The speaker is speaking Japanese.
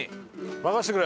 「任せてくれ！」